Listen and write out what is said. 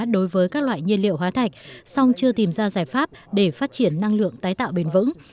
đối với các loại nhiên liệu hóa thạch song chưa tìm ra giải pháp để phát triển năng lượng tái tạo bền vững